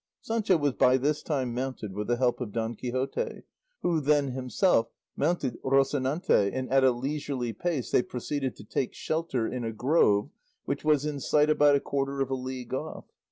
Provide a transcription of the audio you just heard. Sancho was by this time mounted with the help of Don Quixote, who then himself mounted Rocinante, and at a leisurely pace they proceeded to take shelter in a grove which was in sight about a quarter of a league off.